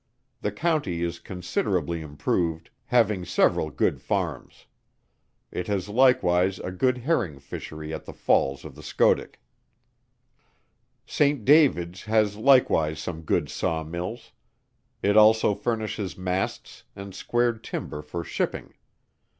The country is considerably improved, having several good farms. It has likewise a good herring fishery at the falls of the Schoodick. St. Davids has likewise some good saw mills. It also furnishes masts, and squared timber for shipping.